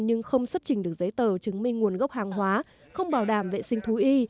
nhưng không xuất trình được giấy tờ chứng minh nguồn gốc hàng hóa không bảo đảm vệ sinh thú y